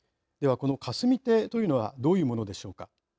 この霞堤というのはどういうものでしょうか。